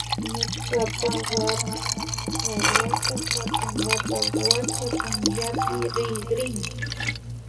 Ñukapa warmi wakrata katunkapak wacha punchapi rikrini